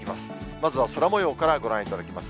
まずは空もようからご覧いただきます。